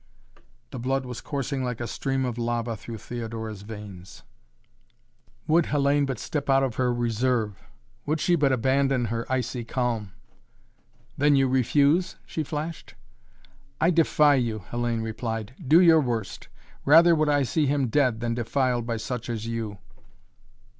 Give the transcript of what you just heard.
The blood was coursing like a stream of lava through Theodora's veins. Would Hellayne but step out of her reserve! Would she but abandon her icy calm! "Then you refuse?" she flashed. "I defy you," Hellayne replied. "Do your worst! Rather would I see him dead than defiled by such as you!"